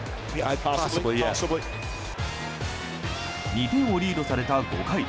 ２点をリードされた５回。